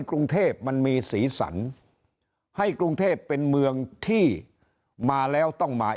กรุงเทพมันมีสีสันให้กรุงเทพเป็นเมืองที่มาแล้วต้องมา